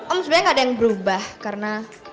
om sebenernya gak ada yang berubah karena